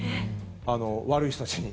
悪い人たちに。